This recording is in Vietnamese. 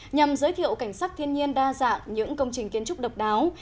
nhằm giới thiệu cảnh sắc thiên nhiên đa dạng những công trình kiến trúc độc đáo